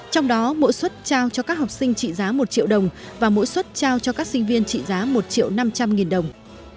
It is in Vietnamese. trong đó mỗi xuất trao cho các học sinh trị giá một triệu đồng và mỗi suất trao cho các sinh viên trị giá một triệu năm trăm linh nghìn đồng